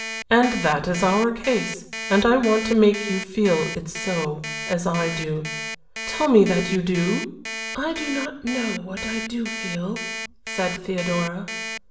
And that is our case, and I want to make you feel it so, as I do. Tell me that you do ?" "I do not know what I do feel," said Theodora.